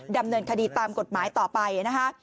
ดำเนินคดีตามกฎหมายต่อไปนะคะ